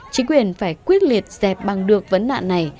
chính quyền phải quyết liệt dẹp bằng được vấn nạn này